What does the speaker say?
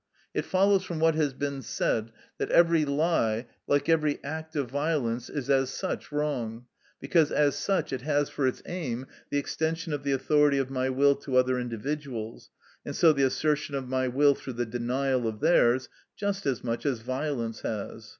It follows from what has been said, that every lie, like every act of violence, is as such wrong, because as such it has for its aim the extension of the authority of my will to other individuals, and so the assertion of my will through the denial of theirs, just as much as violence has.